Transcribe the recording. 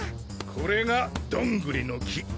これがドングリの木。